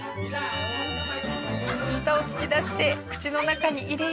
舌を突き出して口の中に入れようとします。